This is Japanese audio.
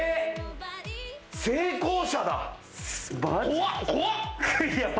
成功者だ！